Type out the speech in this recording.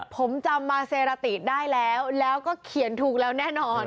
ผมจำมาเซราติได้แล้วแล้วก็เขียนถูกแล้วแน่นอน